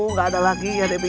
nggak ada lagi ya debi